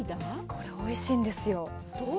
これおいしいですよ。